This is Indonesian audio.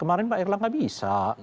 tapi sekarang pak erlang tidak bisa